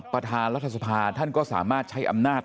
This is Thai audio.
ประธานรัฐสภาท่านก็สามารถใช้อำนาจ